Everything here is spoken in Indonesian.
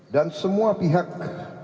dan semua pihak